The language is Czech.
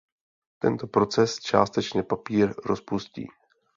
Tento proces částečně papír rozpustí.